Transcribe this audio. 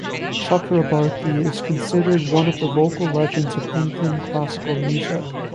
Chakrabarty is considered one of the vocal legends of Indian classical music.